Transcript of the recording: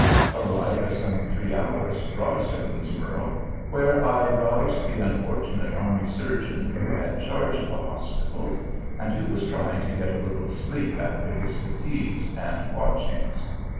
A ride of some three hours brought us to Boonsborough, where I roused the unfortunate army surgeon who had charge of the hospitals, and who was trying to get a little sleep after his fatigues and watchings.